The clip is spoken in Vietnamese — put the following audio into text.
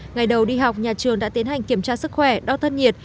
ngày đầu đi học nhà trường đã tiến hành kiểm tra sức khỏe đo thân nhiệt